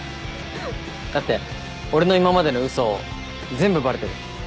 だって俺の今までの嘘全部バレてる。